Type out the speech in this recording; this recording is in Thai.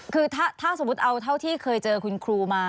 คือถ้าสมมุติเอาเท่าที่เคยเจอคุณครูมา